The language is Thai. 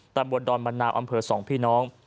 ตำรวจดอนบรรณาอำเภอ๒พี่น้อง